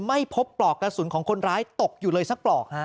ไม่พบปลอกกระสุนของคนร้ายตกอยู่เลยสักปลอกฮะ